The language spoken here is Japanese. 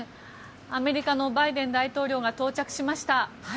アメリカのバイデン大統領が到着しました。